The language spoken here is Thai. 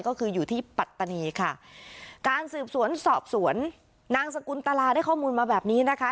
ก็คืออยู่ที่ปัตตานีค่ะการสืบสวนสอบสวนนางสกุลตลาได้ข้อมูลมาแบบนี้นะคะ